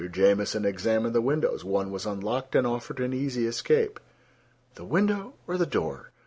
Jamieson examined the windows: one was unlocked, and offered an easy escape. The window or the door?